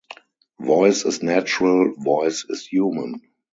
Voice is natural, voice is human.